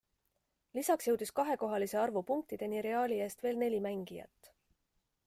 Lisaks jõudis kahekohalise arvu punktideni Reali eest veel neli mängijat.